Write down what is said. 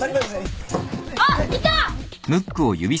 あっいた。